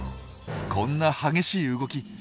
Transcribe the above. こんな激しい動き